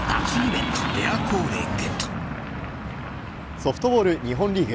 ソフトボール日本リーグ。